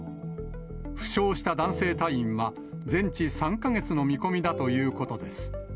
負傷した男性隊員は全治３か月の見込みだということです。